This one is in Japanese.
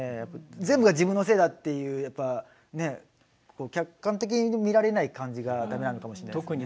全部が自分のせいだと客観的に見られない感じがだめなのかもしれないですね。